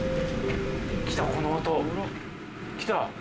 来たこの音。来た！